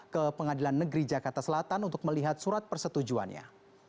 ke pengadilan negeri jakarta selatan untuk melihat surat persetujuannya